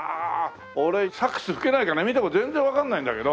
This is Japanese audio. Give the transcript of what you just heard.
俺サックス吹けないから見ても全然わかんないんだけど。